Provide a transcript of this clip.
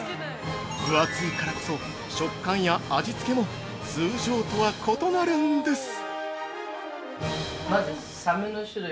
分厚いからこそ、食感や味付けも通常とは異なるんです！